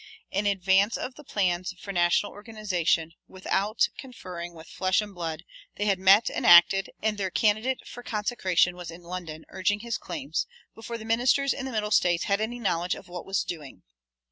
In advance of the plans for national organization, without conferring with flesh and blood, they had met and acted, and their candidate for consecration was in London urging his claims, before the ministers in the Middle States had any knowledge of what was doing.